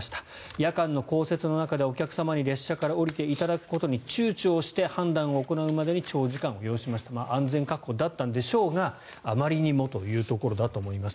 夜間の降雪の中でお客様に列車から降りていただくことに躊躇して判断を行うまでに長時間を要しました安全確保だったんでしょうがあまりにもというところだと思います。